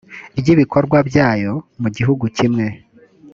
ry ibikorwa byayo mu gihugu kimwe